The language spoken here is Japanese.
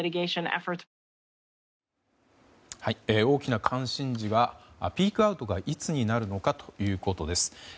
大きな関心事はピークアウトがいつになるのかということです。